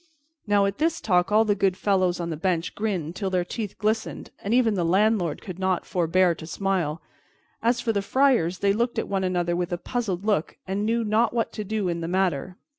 Now, at this talk all the good fellows on the bench grinned till their teeth glistened, and even the landlord could not forbear to smile. As for the friars, they looked at one another with a puzzled look, and knew not what to do in the matter.